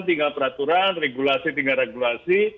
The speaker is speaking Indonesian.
tinggal peraturan regulasi tinggal regulasi